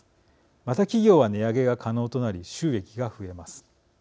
また、企業は値上げが可能となり収益が増えます。